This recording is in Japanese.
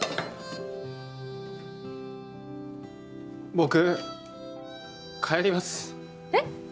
僕帰りますえっ？